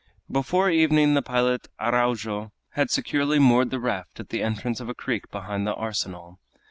Before evening the pilot Araujo had securely moored the raft at the entrance of a creek behind the arsenal.